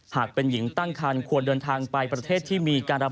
หากเป็นหญิงตั้งคันควรเดินทางไปประเทศที่มีการรับ